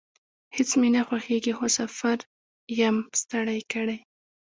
هیڅ مې نه خوښیږي، خو سفر یم ستړی کړی